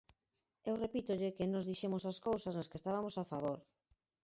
Eu repítolle que nós dixemos as cousas nas que estabamos a favor.